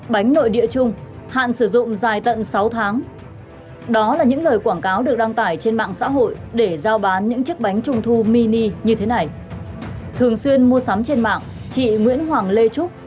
bao ăn vào sẽ mê tít